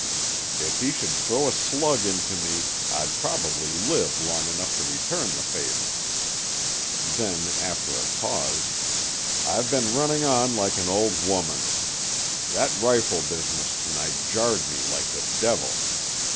If he should throw a slug into me, I'd probably live long enough to return the favor." Then, after a pause: "I've been running on like an old woman. That rifle business to night jarred me like the devil.